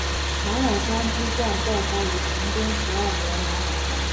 玛瑙山之战爆发于崇祯十二年玛瑙山。